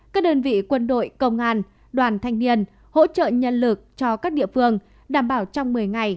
các đơn vị quân đội công an đoàn thanh niên hỗ trợ nhân lực cho các địa phương đảm bảo trong một mươi ngày